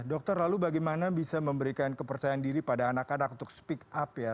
dokter lalu bagaimana bisa memberikan kepercayaan diri pada anak anak untuk speak up ya